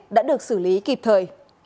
đã được xử lý kịp thời